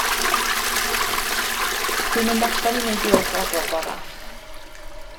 Dw i'n mynd allan i neud yoga bob bora.